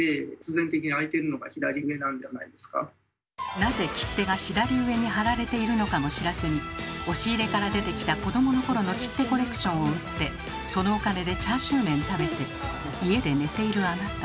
なぜ切手が左上に貼られているのかも知らずに押し入れから出てきた子供の頃の切手コレクションを売ってそのお金でチャーシュー麺食べて家で寝ているあなた。